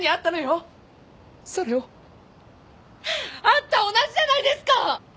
あんた同じじゃないですか！